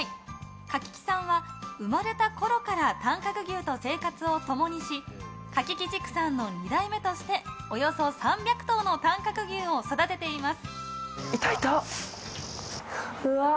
柿木さんは生まれたころから短角牛と生活を共にし柿木畜産の２代目としておよそ３００頭の短角牛を育てています。